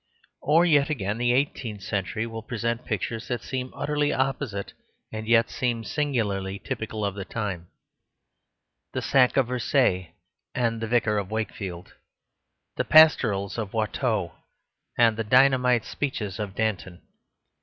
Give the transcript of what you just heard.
Or yet again: the eighteenth century will present pictures that seem utterly opposite, and yet seem singularly typical of the time: the sack of Versailles and the "Vicar of Wakefield"; the pastorals of Watteau and the dynamite speeches of Danton.